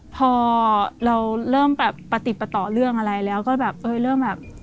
พอเราเริ่มประติประต่อเรื่องอะไรแล้วก็เริ่มแบบ